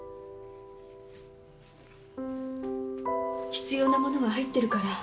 必要なものは入ってるから。